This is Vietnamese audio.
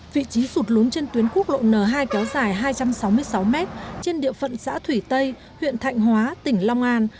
vị trí sụt lún trên tuyến quốc lộ n hai kéo dài hai trăm sáu mươi sáu mét trên địa phận xã thủy tây huyện thạnh hóa tỉnh long an